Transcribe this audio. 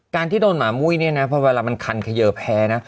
การที่โดนหมามุ้ยนี่นะเพราะเวลามันคันเขย่อแพ้นะ